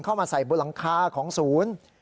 เข้ามาใส่บนหลังคาของศูนย์